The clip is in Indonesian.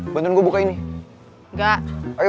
bantuin gue bukain nih